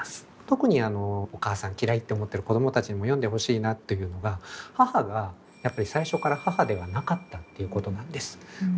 特にお母さん嫌いって思ってる子供たちにも読んでほしいなというのが母がやっぱり最初から母ではなかったっていうことなんです。